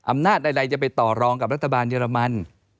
อำนาจใดจะไปต่อรองกับรัฐบาลเยอรมัน